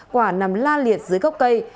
quả nằm la liệt dưới gốc cây